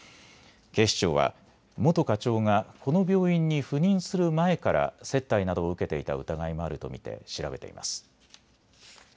警視庁は元課長がこの病院に赴任する前から接待などを受けていた疑いもあると見て調べています。